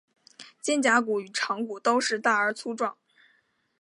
肩胛骨与肠骨都是大而粗壮。